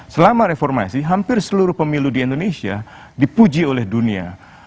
selama reformasi hampir seluruh pemilu di indonesia dipuji oleh dunia